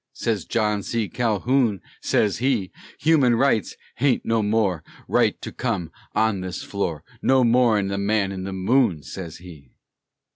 Sez John C. Calhoun, sez he; "Human rights haint no more Right to come on this floor, No more'n the man in the moon," sez he.